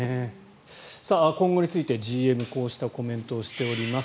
今後について、ＧＭこうしたコメントをしています。